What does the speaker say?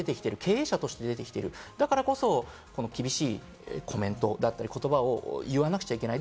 経営者として出てきている、だからこそ厳しいコメントだったり、言葉を言わなくちゃいけない。